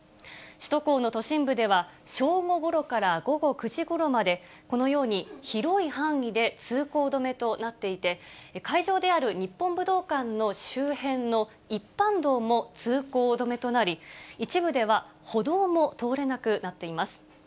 首都高の都心部では、正午ごろから午後９時ごろまで、このように、広い範囲で通行止めとなっていて、会場である日本武道館の周辺の一般道も通行止めとなり、一部では歩道も通れなくなっています。